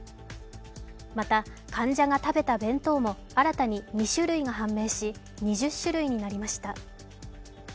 また、患者が食べた弁当も新たに２種類が判明し、２０種類になりました。